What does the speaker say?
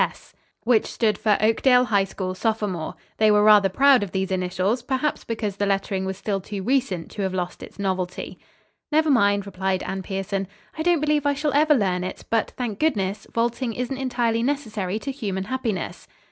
S.S." which stood for "Oakdale High School Sophomore." They were rather proud of these initials, perhaps because the lettering was still too recent to have lost its novelty. "Never mind," replied Anne Pierson; "I don't believe I shall ever learn, it, but, thank goodness, vaulting isn't entirely necessary to human happiness."